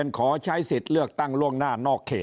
ยิ่งอาจจะมีคนเกณฑ์ไปลงเลือกตั้งล่วงหน้ากันเยอะไปหมดแบบนี้